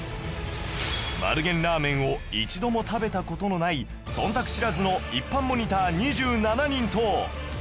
丸源ラーメンを一度も食べた事のない忖度知らずの一般モニター２７人と